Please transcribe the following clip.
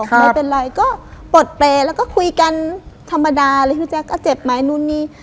ไม่เป็นไรก็ปลดเปรย์แล้วก็คุยกันธรรมดาเลยพี่แจ๊คก็เจ็บไหมนู่นนี่